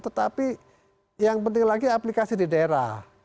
tetapi yang penting lagi aplikasi di daerah